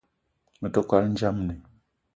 Me te kwal ndjamni